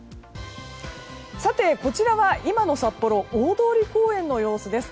こちらは今の札幌・大通公園の様子です。